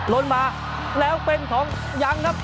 ล้นมาแล้วเป็นของยังครับ